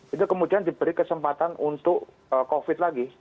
itu kemudian diberi kesempatan untuk covid lagi